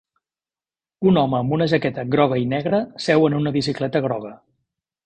Un home amb una jaqueta groga i negra seu en una bicicleta groga